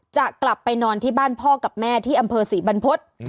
จะกลับไปนอนที่บ้านพ่อกับแม่ที่อำเภอศรีบรรพฤษ